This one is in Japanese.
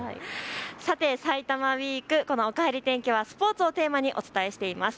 さてさいたまウイーク、このおかえり天気はスポーツをテーマにお伝えしています。